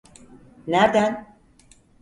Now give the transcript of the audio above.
Nerden?